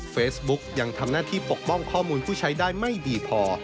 เฟซบุ๊กยังทำหน้าที่ปกป้องข้อมูลผู้ใช้ได้ไม่ดีพอ